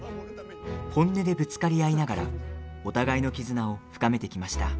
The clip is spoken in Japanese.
本音で、ぶつかり合いながらお互いの絆を深めてきました。